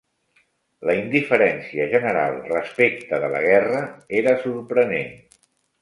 La indiferència general respecte de la guerra era sorprenent